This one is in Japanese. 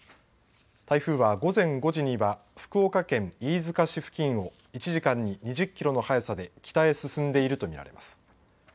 台風は午前５時には福岡県飯塚市付近を１時間に２０キロの速さで北へ進んでいると見られます。